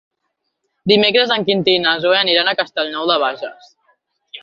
Dimecres en Quintí i na Zoè aniran a Castellnou de Bages.